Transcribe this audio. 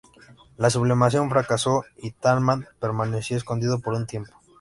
La sublevación fracasó y Thälmann permaneció escondido por un tiempo.